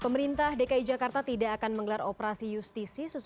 pemerintah dki jakarta tidak akan menggelar operasi justisi